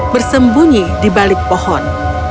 bersembunyi di balik pohon